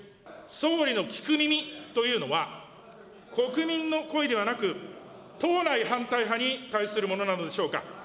総理の聞く耳というのは、国民の声ではなく、党内反対派に対するものなのでしょうか。